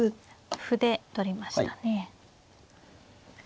歩で取りましたね。